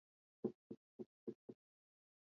mila hii tayari inapotea Ukarimu wa Kituruki